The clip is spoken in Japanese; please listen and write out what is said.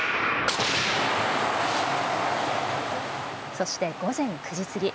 そして午前９時過ぎ。